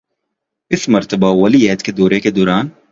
اس مرتبہ ولی عہد کے دورہ کے دوران